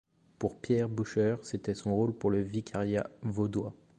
Pour Pierre Bürcher, c'était son rôle pour le vicariat vaudois.